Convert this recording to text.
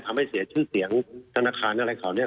ทำให้เสียชื่อเสียงธนาคารอะไรเหล่านี้